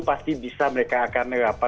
pasti bisa mereka akan